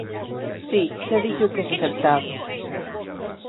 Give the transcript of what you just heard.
Si, xa dixo que as aceptaba.